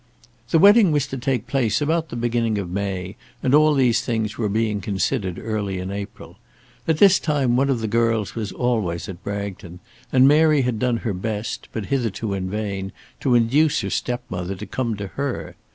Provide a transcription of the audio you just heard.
The wedding was to take place about the beginning of May, and all these things were being considered early in April. At this time one of the girls was always at Bragton, and Mary had done her best, but hitherto in vain, to induce her step mother to come to her.